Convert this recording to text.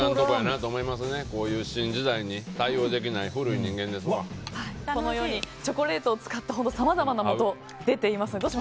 こういう新時代に対応できないこのようにチョコレートを使ったさまざまなものが出ています。